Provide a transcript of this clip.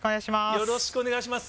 よろしくお願いします。